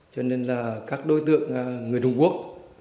cho nên là các đối tượng người trung quốc